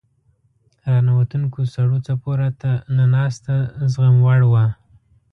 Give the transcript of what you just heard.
راننوتونکو سړو څپو راته نه ناسته زغموړ وه.